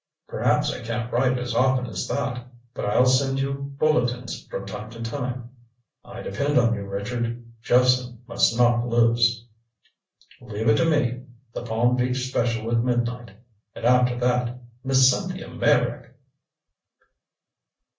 "Perhaps I can't write as often as that. But I'll send you bulletins from time to time." "I depend on you, Richard. Jephson must not lose." "Leave it to me. The Palm Beach Special at midnight. And after that Miss Cynthia Meyrick!"